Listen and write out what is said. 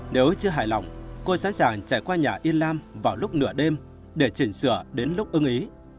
nếu chưa hài lòng cô sẵn sàng chạy qua nhà yên lam vào lúc nửa đêm để chỉnh sửa đến lúc ưng ý